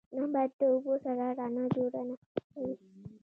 نبات د اوبو سره رڼا جوړونه کوي